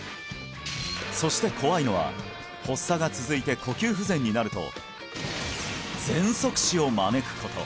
そして怖いのは発作が続いて呼吸不全になると喘息死を招くこと